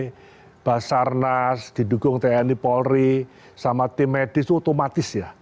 di basarnas didukung tni polri sama tim medis itu otomatis ya